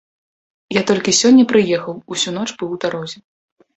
Я толькі сёння прыехаў, усю ноч быў у дарозе.